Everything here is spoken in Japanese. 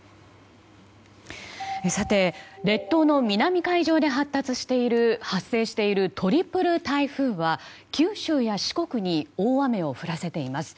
さて、列島の南海上で発生しているトリプル台風は九州や四国に大雨を降らせています。